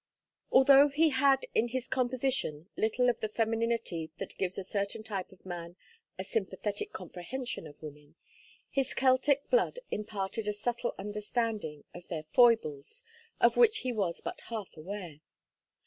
Although he had in his composition little of the femininity that gives a certain type of man a sympathetic comprehension of women, his Celtic blood imparted a subtle understanding of their foibles of which he was but half aware.